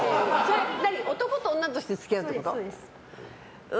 男と女として付き合えないってこと？